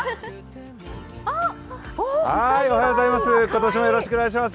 おはようございます。